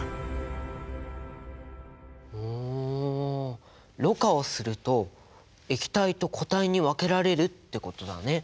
ほうろ過をすると液体と固体に分けられるってことだね。